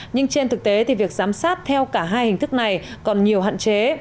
nhưng trên thực tế thì việc giám sát theo cả hai hình thức này còn nhiều hạn chế